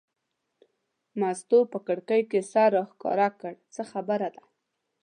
مستو په کړکۍ کې سر راښکاره کړ: څه خبره ده.